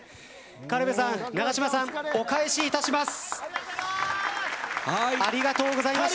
軽部さん、永島さんお返しいたします。